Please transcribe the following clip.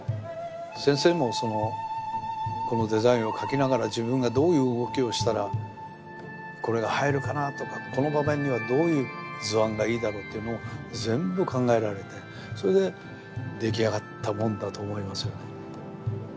先生もこのデザインを描きながら自分がどういう動きをしたらこれが映えるかなとかこの場面にはどういう図案がいいだろうというのを全部考えられてそれで出来上がったものだと思いますよね。